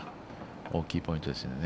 大きいポイントですよね